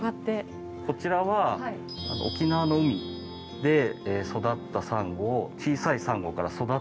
こちらは沖縄の海で育ったサンゴを小さいサンゴから育てて。